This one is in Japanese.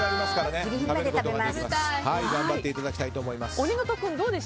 頑張っていただきたいと思います。